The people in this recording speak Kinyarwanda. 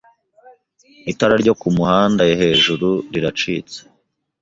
Itara ryo kumuhanda hejuru riracitse